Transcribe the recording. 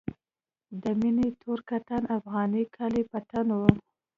د مينې تور کتان افغاني کالي په تن وو.